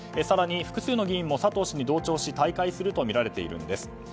更に、複数の議員も佐藤氏に同調し退会するとみられているんです。